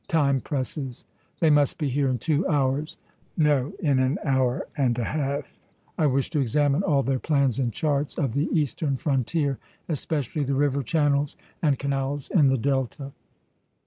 Time presses. They must be here in two hours no, in an hour and a half. I wish to examine all their plans and charts of the eastern frontier, especially the river channels and canals in the Delta."